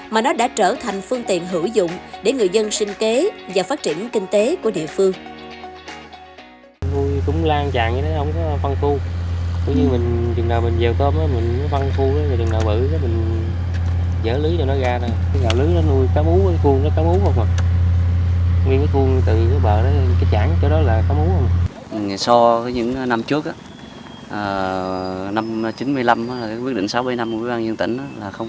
mà nó đã trở thành phương tiện hữu dụng để người dân sinh kế và phát triển kinh tế của địa phương